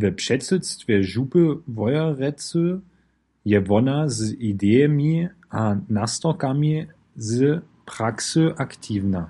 We předsydstwje župy Wojerecy je wona z idejemi a nastorkami z praksy aktiwna.